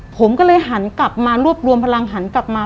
ผมก็เลยหันกลับมารวบรวมพลังหันกลับมา